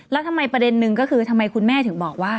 แล้วทำไมประเด็นนึงก็คือทำไมคุณแม่ถึงบอกว่า